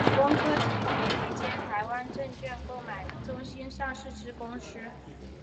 伍丰科技为一间于台湾证券柜台买卖中心上市之公司。